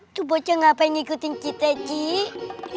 itu bocah ngapa yang ngikutin kita cik